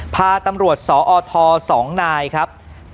พาตำรวจสอท๒นายครับ